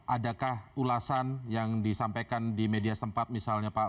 adakah ulasan yang disampaikan di media setempat misalnya pak